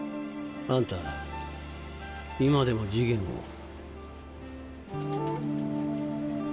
あんた今でも次元を。